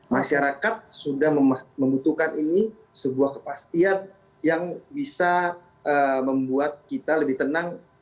masyarakat sudah membutuhkan ini sebuah kepastian yang bisa membuat kita lebih tenang